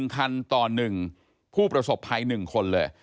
๑คันต่อ๑ผู้ประสบภัย๑คนเลย